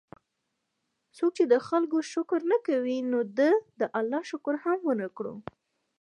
څوک چې د خلکو شکر نه کوي، نو ده د الله شکر هم ونکړو